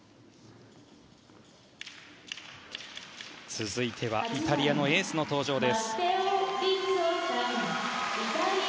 続いてはイタリアのエースの登場です。